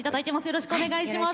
よろしくお願いします。